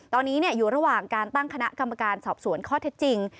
ตอนนี้อยู่ระหว่างการตั้งคณะกรรมการสอบสวนข้อเท็จจริง